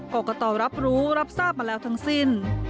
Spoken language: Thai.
กรกตรับรู้รับทราบมาแล้วทั้งสิ้น